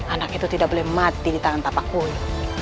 anak itu tidak boleh mati di tangan tapak wulo